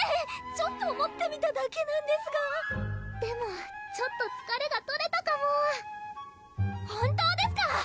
ちょっと持ってみただけなんですがでもちょっとつかれが取れたかも本当ですか！